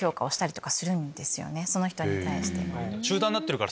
その人に対して。